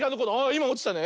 いまおちたね。